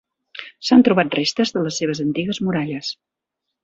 S'han trobat restes de les seves antigues muralles.